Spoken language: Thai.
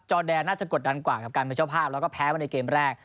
แดนน่าจะกดดันกว่ากับการเป็นเจ้าภาพแล้วก็แพ้มาในเกมแรก